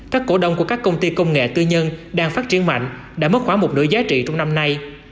các cổ đông của các công ty công nghệ tư nhân đang phát triển mạnh đã mất khoảng một nửa giá trị trong năm nay